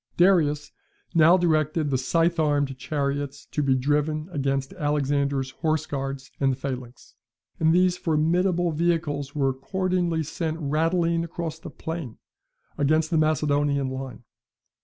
] Darius, now directed the scythe armed chariots to be driven against Alexander's horse guards and the phalanx; and these formidable vehicles were accordingly sent rattling across the plain, against the Macedonian line.